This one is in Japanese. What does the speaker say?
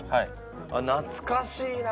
あっ懐かしいな。